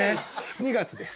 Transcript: ２月です。